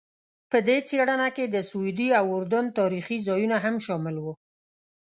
په دې څېړنه کې د سعودي او اردن تاریخي ځایونه هم شامل وو.